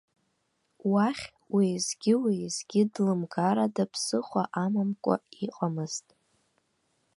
Уахь уеизгьы-уеизгьы длымгар ада ԥсыхәа амамкәа иҟамызт.